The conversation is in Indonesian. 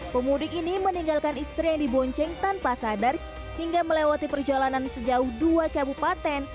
pemudik ini meninggalkan istri yang dibonceng tanpa sadar hingga melewati perjalanan sejauh dua kabupaten